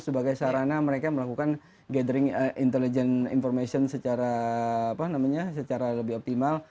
sebagai sarana mereka melakukan gathering intelligence information secara lebih optimal